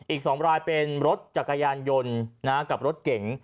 อีก๒รายเป็นรถจักรยานยนต์กับรถเก๋ง